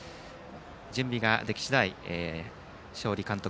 準備ができ次第勝利監督